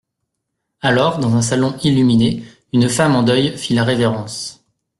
Alors, dans un salon illuminé, une femme en deuil fit la révérence.